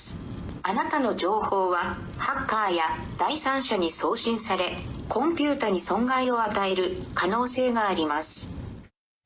あなたの情報は、ハッカーや第三者に送信され、コンピューターに損害を与える可能性があります。